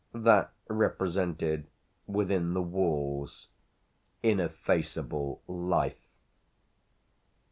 That represented, within the walls, ineffaceable life.